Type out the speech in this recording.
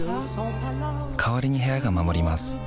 代わりに部屋が守ります